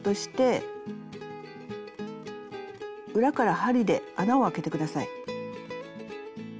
裏から針で穴を開けて下さい。